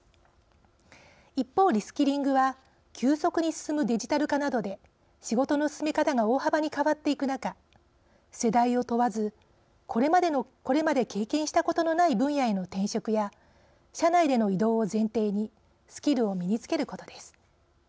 一方、リスキリングは急速に進むデジタル化などで仕事の進め方が大幅に変わっていく中、世代を問わずこれまで経験したことのない分野への転職や社内での異動を前提にスキルを身につけることです。